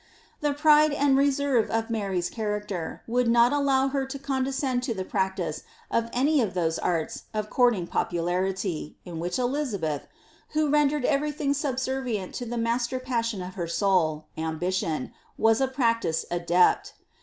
* The pride and reserve of Mary^s character, would not allow her to condescend to the practice of any of those arts of courting popularity, in which Elizabeth, who rendered everything subservient to the master passion of her soul, ambition, was a practised adept.